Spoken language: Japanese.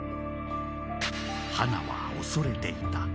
花は恐れていた。